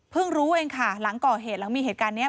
รู้เองค่ะหลังก่อเหตุหลังมีเหตุการณ์นี้